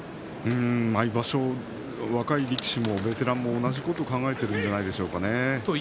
毎場所、若い力士もベテランも同じことを考えているんじゃないでしょうかね。